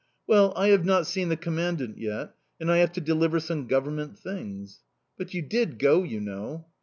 "Well, I have not seen the Commandant yet, and I have to deliver some Government things." "But you did go, you know."